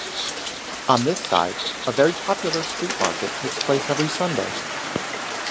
On this side, a very popular street market takes place every Sunday.